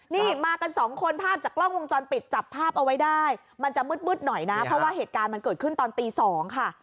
นี่มากันสองคนภาพจากกล้องวงจรปิดจับภาพเอาไว้ได้มันจะมืดหน่อยนะเพราะว่าเหตุการณ์มันเกิดขึ้นตอนตี๒ค่ะ